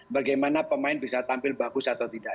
bagaimana pemain bisa tampil bagus atau tidak